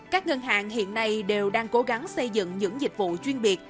các ngân hàng hiện nay đều đang cố gắng xây dựng những dịch vụ chuyên biệt